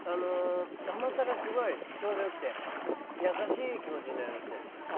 甘さがちょうど良くて、やさしい気持ちになりますね。